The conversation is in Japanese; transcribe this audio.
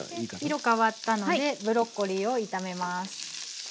色変わったのでブロッコリーを炒めます。